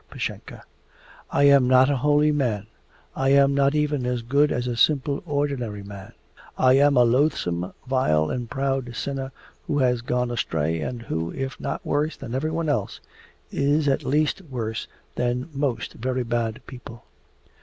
Pashenka, I am not a holy man, I am not even as good as a simple ordinary man; I am a loathsome, vile, and proud sinner who has gone astray, and who, if not worse than everyone else, is at least worse than most very bad people.